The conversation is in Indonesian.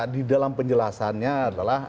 di dalam penjelasannya adalah